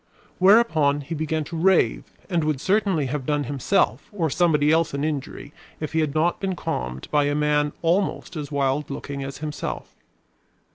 Whereupon he began to rave and would certainly have done himself or somebody else an injury if he had not been calmed by a man almost as wild looking as himself.